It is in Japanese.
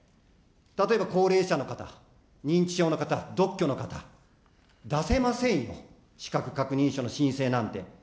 例えば高齢者の方、認知症の方、独居の方、出せませんよ、資格確認書の申請なんて。